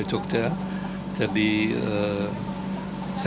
ini harusnya memangnya jadi aku yang mencoba ya